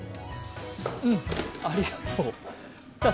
うん、ありがとう。